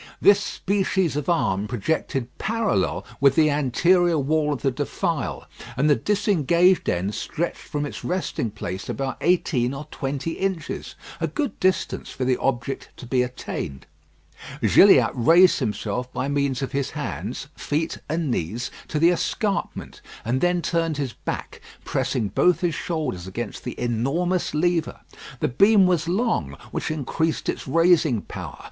This species of arm projected parallel with the anterior wall of the defile, and the disengaged end stretched from its resting place about eighteen or twenty inches. A good distance for the object to be attained. Gilliatt raised himself by means of his hands, feet, and knees to the escarpment, and then turned his back, pressing both his shoulders against the enormous lever. The beam was long, which increased its raising power.